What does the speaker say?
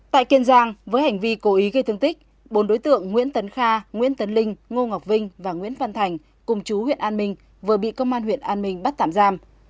tại kiên giang với hành vi cố ý gây thương tích bốn đối tượng nguyễn tấn kha nguyễn tấn linh ngô ngọc vinh và nguyễn văn thành cùng chú huyện an minh vừa bị công an huyện an minh bắt tạm giam